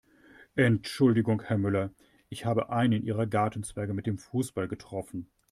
Entschuldigung Herr Müller, ich habe einen Ihrer Gartenzwerge mit dem Fußball getroffen.